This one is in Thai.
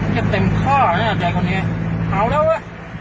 จะเต็มข้ออ่ะเนี่ยเด็กกว่านี้เอาแล้วอ่ะ